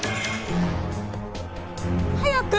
早く！